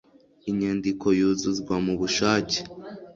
inyandiko yuzuzwa mubushake.